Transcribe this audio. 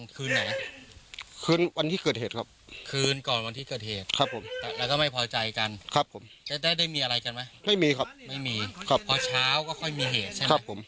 คืนไหนคืนวันที่เกิดเหตุครับคืนก่อนวันที่เกิดเหตุครับผมแล้วก็ไม่พอใจกันครับผมได้ได้มีอะไรกันไหมไม่มีครับไม่มีครับพอเช้าก็ค่อยมีเหตุใช่ไหมครับผม